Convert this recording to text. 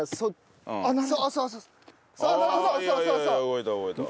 動いた動いた。